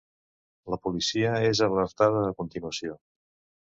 La policia és alertada a continuació.